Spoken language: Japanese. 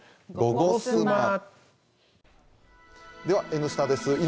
では「Ｎスタ」です。